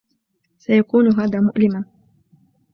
سيكون هذا مؤلما.